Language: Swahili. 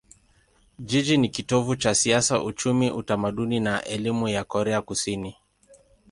Jiji ni kitovu cha siasa, uchumi, utamaduni na elimu ya Korea Kusini.